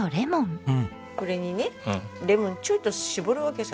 これにねレモンをちょっと搾るわけさ。